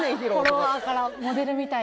「フォロワーから『モデルみたい』と」